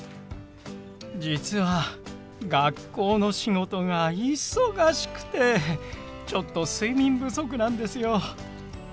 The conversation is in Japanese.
実は学校の仕事が忙しくてちょっと睡眠不足なんですよ。